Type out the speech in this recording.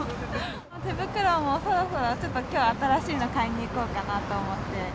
手袋もそろそろちょっときょう、新しいの買いに行こうかなと思って。